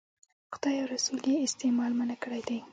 خدای او رسول یې استعمال منع کړی دی.